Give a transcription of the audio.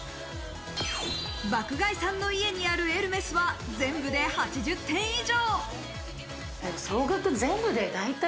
爆買いさんの家にあるエルメスは全部で８０点以上。